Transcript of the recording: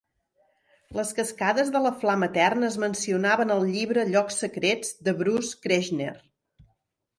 Les cascades de la Flama Eterna es mencionaven al llibre "Llocs secrets" de Bruce Kershner.